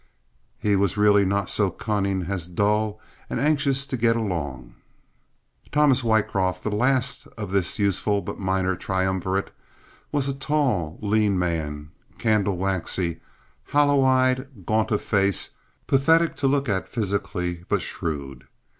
He was really not so cunning as dull and anxious to get along. Thomas Wycroft, the last of this useful but minor triumvirate, was a tall, lean man, candle waxy, hollow eyed, gaunt of face, pathetic to look at physically, but shrewd.